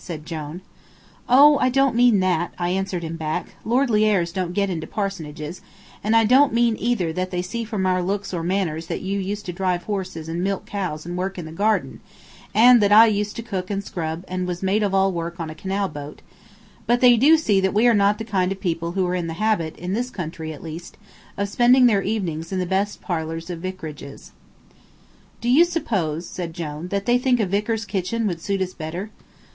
said Jone. "Oh, I don't mean that," I answered him back; "lordly airs don't go into parsonages, and I don't mean either that they see from our looks or manners that you used to drive horses and milk cows and work in the garden, and that I used to cook and scrub and was maid of all work on a canal boat; but they do see that we are not the kind of people who are in the habit, in this country, at least, of spending their evenings in the best parlors of vicarages." "Do you suppose," said Jone, "that they think a vicar's kitchen would suit us better?"